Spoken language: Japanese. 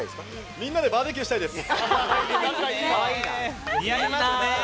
みんなでバーベキューしたいです。